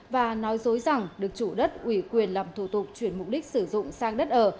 và nói dối rằng được chủ đất ủy quyền làm thủ tục chuyển mục đích sử dụng sang đất ở